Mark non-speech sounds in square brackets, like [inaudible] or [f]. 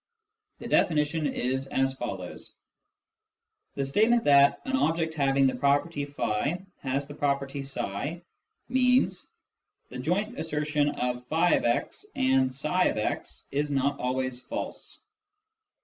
The definition is as follows :— The statement that " an object having the property [f] has the property iff " means :" The joint assertion of </>x and tfsx is not always false."